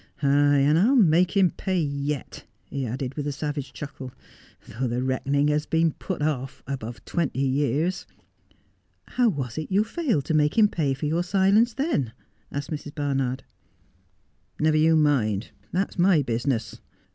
Ay, and I'll make him pay yet,' he added with a savage chuckle, ' though the reckoning has been put off above twenty years.' ' How was it you failed to make him pay for your silence, then ?' asked Mrs. Barnard. ' Never you mind. That's my business.